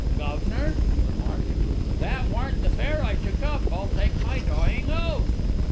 "Guv'nor," he remarked, "that warn't the fare I took up, I'll take my dying oath!"